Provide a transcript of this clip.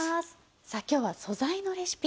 さあ今日は「素材のレシピ」。